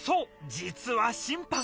実は審判。